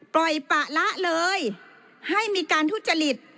ปล่อยปะละเลยให้มีการทุจริต